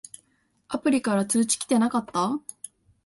アプリから通知きてなかった？